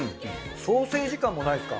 ソーセージ感もないですか？